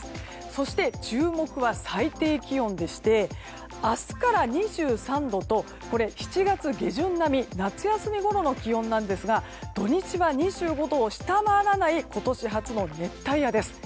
そして、注目は最低気温でして明日から２３度と、７月下旬並み夏休みごろの気温なんですが土日は２５度を下回らない今年初の熱帯夜です。